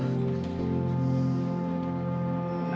aku mau pergi